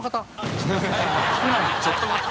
ちょっと待って。